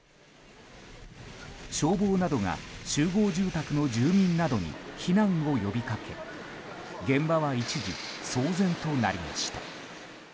消防などが集合住宅の住民などに避難を呼びかけ現場は一時騒然となりました。